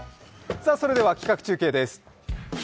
それでは企画中継です。